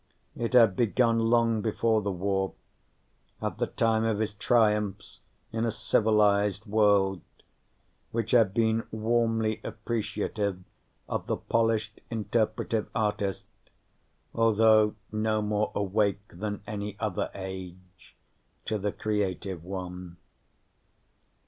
It had begun long before the war, at the time of his triumphs in a civilized world which had been warmly appreciative of the polished interpretive artist, although no more awake than any other age to the creative one.